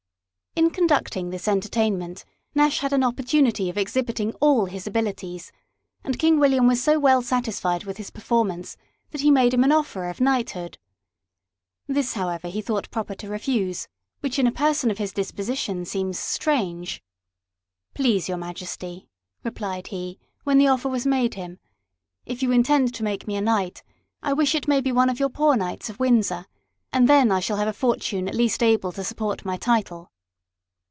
In conducting this entertainment, Nash had an opportunity of exhibiting all his abilities, and King William was so well satisfied with his perform ance, that he made him an offer of knighthood. This, however, he thought LIFE OF RICHARD NASH. 47 proper to refuse ; which in a person of his disposition seems strange. " Please your Majesty," replied he, when the offer was made him, " if you intend to make me a knight, I wish it may be one of your Poor Knights of Windsor, and then I shall have a fortune at least able to support my title."